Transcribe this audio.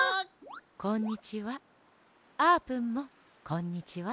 こんにちは。